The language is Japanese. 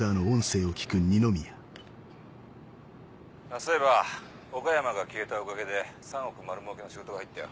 そういえば岡山が消えたおかげで３億丸儲けの仕事が入ったよ。